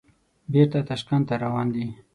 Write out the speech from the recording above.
بېرته تاشکند ته روان دي.